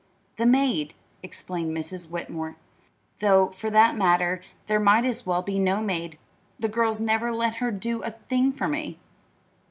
"The maid," explained Mrs. Whitmore; "though, for that matter, there might as well be no maid the girls never let her do a thing for me."